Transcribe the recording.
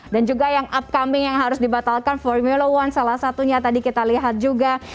dan juga yang upcoming yang harus dibatalkan formula one salah satunya tadi kita lihat juga